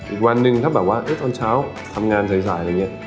อีกวันหนึ่งถ้าแบบว่าเอ๊ะตอนเช้าทำงานใสอย่างนี้